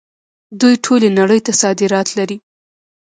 دوی ټولې نړۍ ته صادرات لري.